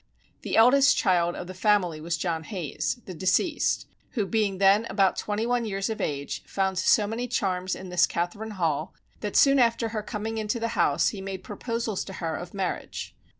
The eldest child of the family was John Hayes, the deceased; who being then about twenty one years of age, found so many charms in this Catherine Hall that soon after he coming into the house he made proposals to her of marriage.